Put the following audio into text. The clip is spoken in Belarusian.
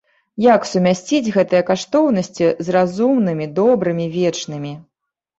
Як сумясціць гэтыя каштоўнасці з разумнымі, добрымі, вечнымі?